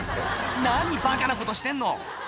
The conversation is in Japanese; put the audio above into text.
何バカなことしてんの！